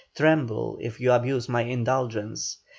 Tremble, if you abuse my indulgence.